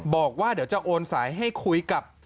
บอกว่าเดี๋ยวจะโอนสายให้คุยกับ